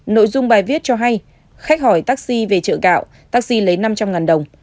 nội dung bài viết cho hay khách hỏi taxi về chợ gạo taxi lấy năm trăm linh đồng